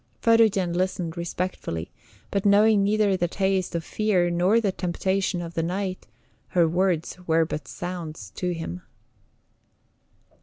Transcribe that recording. Photogen listened respectfully, but knowing neither the taste of fear nor the temptation of the night, her words were but sounds to him.